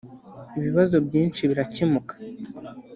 ibibazo byinshi birakemuka